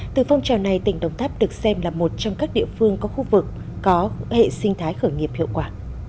từ phong trào này tỉnh đồng tháp được xem là một trong các địa phương có khu vực có hệ sinh thái khởi nghiệp hiệu quả